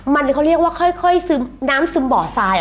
มันเขาเรียกว่าค่อยซึมน้ำซึมบ่อทราย